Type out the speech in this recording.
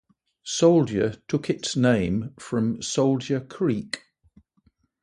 Soldier took its name from Soldier Creek.